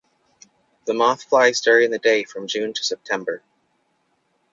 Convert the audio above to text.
The moth flies during the day from June to September.